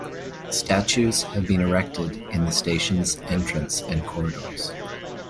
Statues have been erected in the station's entrance and corridors.